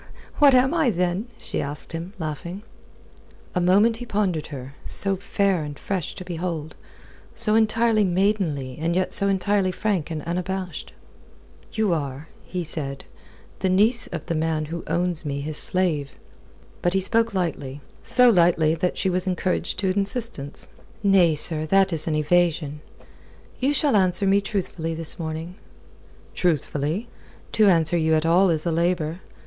"What am I, then?" she asked him, laughing. A moment he pondered her, so fair and fresh to behold, so entirely maidenly and yet so entirely frank and unabashed. "You are," he said, "the niece of the man who owns me his slave." But he spoke lightly. So lightly that she was encouraged to insistence. "Nay, sir, that is an evasion. You shall answer me truthfully this morning." "Truthfully? To answer you at all is a labour.